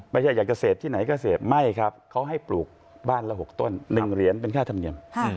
ไม่ใช่อยากจะเสพที่ไหนก็เสพไม่ครับเขาให้ปลูกบ้านละ๖ต้น๑เหรียญเป็นค่าธรรมเนียม